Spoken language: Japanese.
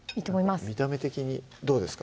見た目的にどうですか？